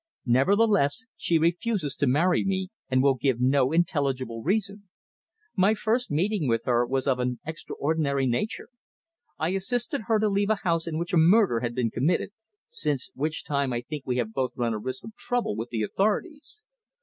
Nevertheless, she refuses to marry me, and will give no intelligible reason. My first meeting with her was of an extraordinary nature. I assisted her to leave a house in which a murder had been committed, since which time I think we have both run a risk of trouble with the authorities.